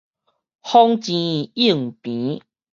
風靜湧平